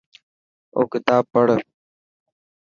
او ڪتاب پڙهه